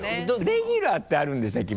レギュラーってあるんでしたっけ